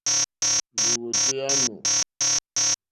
Lìwòtéyá á nù.